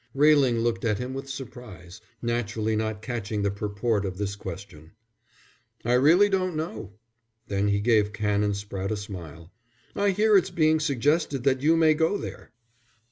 Railing looked at him with surprise, naturally not catching the purport of this question. "I really don't know." Then he gave Canon Spratte a smile. "I hear it's being suggested that you may go there."